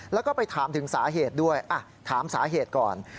แล้วก็ไปถามถึงสาเหตุด้วยถามสาเหตุก่อน